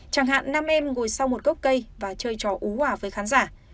chẳng hạn nam em ngồi sau một gốc cây và chơi trò ú hòa với khán giả